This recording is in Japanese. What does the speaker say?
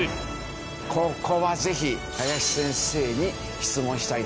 ここはぜひ林先生に質問したいですね。